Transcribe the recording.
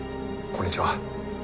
こんにちは。